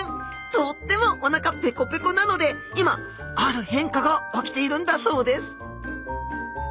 とってもおなかペコペコなので今ある変化が起きているんだそうです